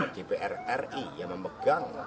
dpr ri yang memegang